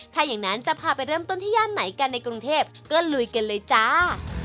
ถ้าอย่างนั้นจะพาไปเริ่มต้นที่ย่านไหนกันในกรุงเทพก็ลุยกันเลยจ้า